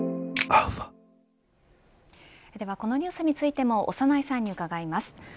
ではこのニュースについても長内さんに伺います。